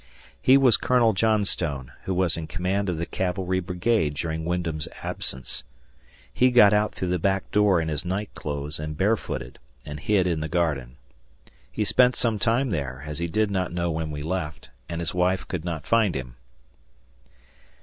He was Colonel Johnstone, who was in command of the cavalry brigade during Wyndham's absence. He got out through the back door in his night clothes and barefooted, and hid in the garden. He spent some time there, as he did not know when we left, and his wife could not find him.